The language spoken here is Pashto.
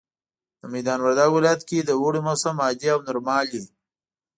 د ميدان وردګ ولايت کي د اوړي موسم عادي او نورمال وي